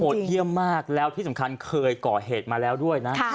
เยี่ยมมากแล้วที่สำคัญเคยก่อเหตุมาแล้วด้วยนะ